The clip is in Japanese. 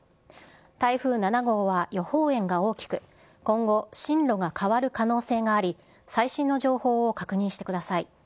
台風７号は予報円が大きく、今後、進路が変わる可能性があり、最新の情報を確認してください。